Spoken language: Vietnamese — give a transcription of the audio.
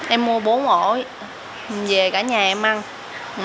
em mua bốn ổ về cả nhà em ăn